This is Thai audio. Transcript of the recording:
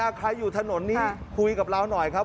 ใครอยู่ถนนนี้คุยกับเราหน่อยครับ